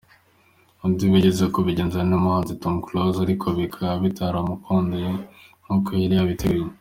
Undi wigeze kubigerageza ni umuhanzi Tom Close, ariko bikaba bitaramukunduye nkuko yari yabiteguye.